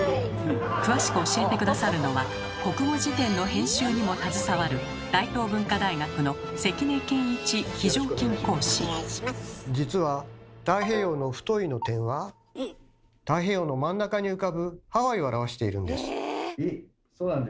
詳しく教えて下さるのは国語辞典の編集にも携わる実は太平洋の「太」の点は太平洋の真ん中に浮かぶハワイを表しているんです。